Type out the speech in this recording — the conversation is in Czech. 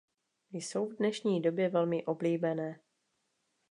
Jsou v dnešní době velmi oblíbené.